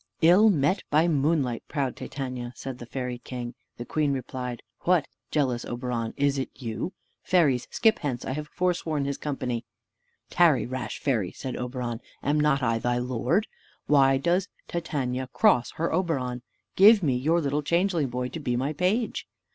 "Ill met by moonlight, proud Titania," said the fairy king. The queen replied, "What, jealous Oberon, is it you? Fairies, skip hence; I have forsworn his company." "Tarry, rash fairy," said Oberon; "am not I thy lord? Why does Titania cross her Oberon? Give me your little changeling boy to be my page."